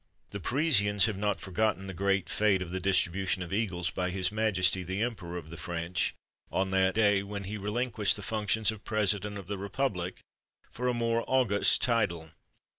The Parisians have not forgotten the great fête of the distribution of eagles by his Majesty the Emperor of the French, on that day when he relinquished the functions of President of the Republic for a more august title.